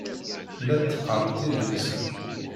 Llant qqarent idlisen.